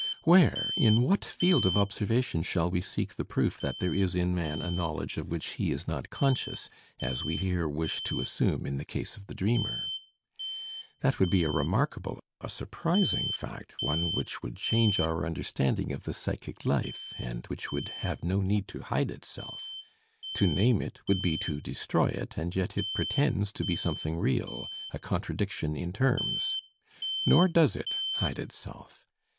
Where, in what field of observation shall we seek the proof that there is in man a knowledge of which he is not conscious, as we here wish to assume in the case of the dreamer? That would be a remarkable, a surprising fact, one which would change our understanding of the psychic life, and which would have no need to hide itself. To name it would be to destroy it, and yet it pretends to be something real, a contradiction in terms. Nor does it hide itself.